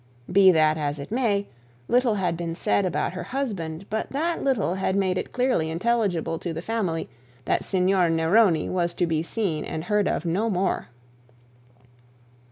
Be that as it may, little had been said about her husband, but that little had made it clearly intelligible to the family that Signor Neroni was to be seen and heard of no more.